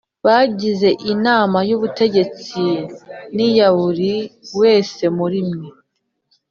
bagize Inama y ubutegetsi n iya buri wese muri mwe